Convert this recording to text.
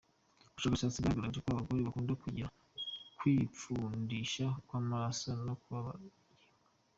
Ubushakashatsi bwagaragaje ko abagore bo bakunda kugira kwipfundika kw’amaraso no kubabara mu ngingo.